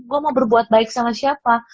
gue mau berbuat baik sama siapa